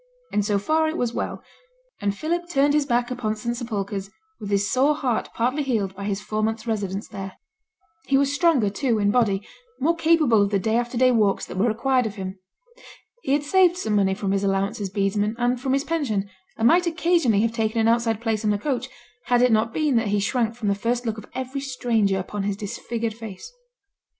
And so far it was well; and Philip turned his back upon St Sepulchre's with his sore heart partly healed by his four months' residence there. He was stronger, too, in body, more capable of the day after day walks that were required of him. He had saved some money from his allowance as bedesman and from his pension, and might occasionally have taken an outside place on a coach, had it not been that he shrank from the first look of every stranger upon his disfigured face.